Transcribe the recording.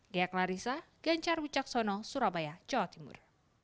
gaya klarisa gencar wicaksono surabaya jawa timur